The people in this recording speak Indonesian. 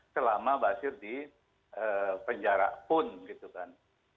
selama basir di penjara pun gitu kan